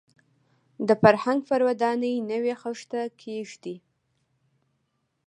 د فرهنګ پر ودانۍ نوې خښته کېږدي.